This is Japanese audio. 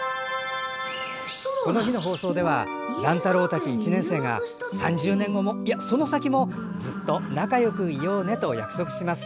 この日の放送では乱太郎たち１年生が３０年後も、いや、その先もずっと仲よくいようねと約束します。